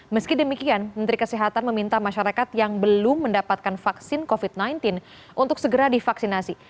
meski demikian menteri kesehatan meminta masyarakat yang belum mendapatkan vaksin covid sembilan belas untuk segera divaksinasi